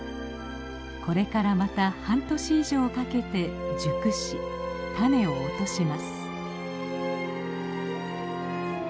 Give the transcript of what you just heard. これからまた半年以上かけて熟し種を落とします。